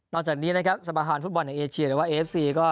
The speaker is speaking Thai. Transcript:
นอกจากนี้นะครับสภาษาภูมิบอลในเอเชียหรือว่าเอฟซีก็